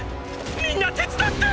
みんな手伝って！